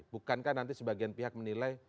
bukankah nanti sebagian pihak menilai